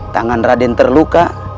tangan raden terluka